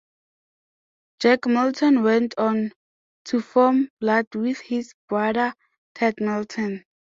Jake Milton went on to form Blurt with his brother Ted Milton.